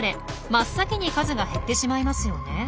真っ先に数が減ってしまいますよね。